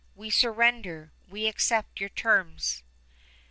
We surrender! We accept your terms!"